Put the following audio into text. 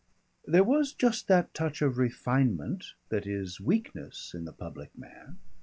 There was just that touch of refinement that is weakness in the public man.